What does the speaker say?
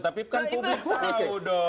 tapi kan publik tahu dong